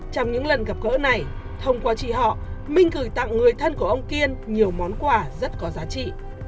trong những lần gặp gỡ này thông qua chị họ minh gửi tặng người thân của ông kiên nhiều món quà rất có giá trị